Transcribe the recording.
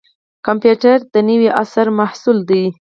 کمپیوټر د نوي عصر محصول دی